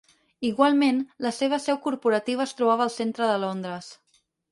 Igualment, la seva seu corporativa es trobava al centre de Londres.